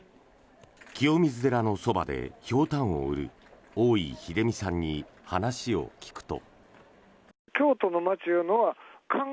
清水寺のそばでヒョウタンを売る大井秀民さんに話を聞くと。